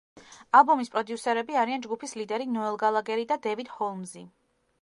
ალბომის პროდიუსერები არიან ჯგუფის ლიდერი ნოელ გალაგერი და დევიდ ჰოლმზი.